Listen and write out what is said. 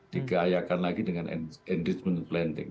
digayakan lagi dengan engagement planting